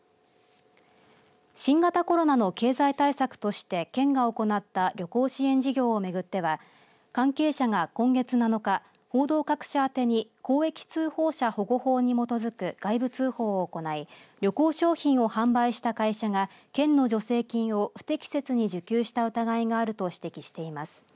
新型コロナの経済対策として県が行った旅行支援事業を巡っては関係者が今月７日報道各社宛てに公益通報者保護法に基づく外部通報を行い旅行商品を販売した会社が県の助成金を不適切に受給した疑いがあると指摘しています。